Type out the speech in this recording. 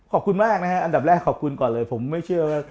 ขอบคุณมากนะฮะอันดับแรกขอบคุณก่อนเลยผมไม่เชื่อว่า